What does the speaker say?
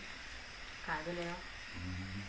ขายไปแล้ว